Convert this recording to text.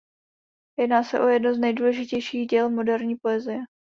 Jedná se o jedno z nejdůležitějších děl moderní poezie.